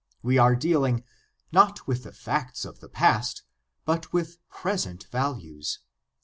We are dealing, not with the facts of the past, but with present values.